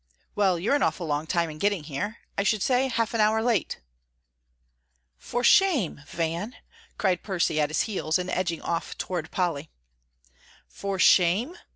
"Well, you're an awful long time in getting here I should say half an hour late." "For shame, Van!" cried Percy at his heels, and edging off toward Polly. "For shame?"